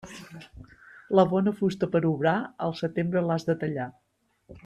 La bona fusta per obrar, al setembre l'has de tallar.